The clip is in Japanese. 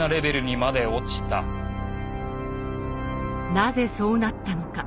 なぜそうなったのか。